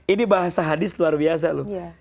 ini bahasa hadis luar biasa loh